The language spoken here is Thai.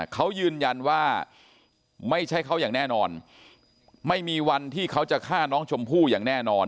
เขายืนยันว่าไม่ใช่เขาอย่างแน่นอนไม่มีวันที่เขาจะฆ่าน้องชมพู่อย่างแน่นอน